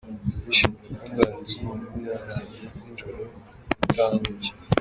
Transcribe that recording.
Ndishimira ko nzajya nsoma bibiliya yanjye nijoro bitangoye.